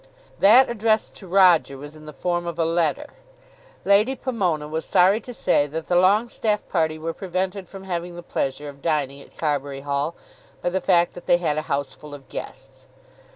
That addressed to Roger was in the form of a letter. Lady Pomona was sorry to say that the Longestaffe party were prevented from having the pleasure of dining at Carbury Hall by the fact that they had a house full of guests.